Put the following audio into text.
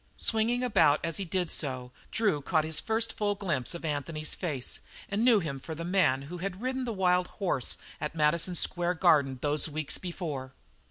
Swinging about as he did so, Drew caught his first full glimpse of Anthony's face, and knew him for the man who had ridden the wild horse at Madison Square Garden those weeks before.